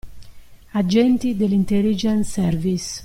Agenti dell'Intelligence Service.